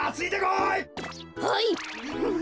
はい。